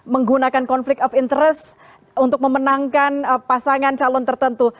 menggunakan conflict of interest untuk memenangkan pasangan calon tertentu